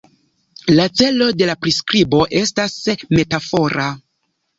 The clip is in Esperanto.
La celo de la priskribo estas metafora.